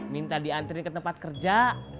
minta diantri ke tempat kerja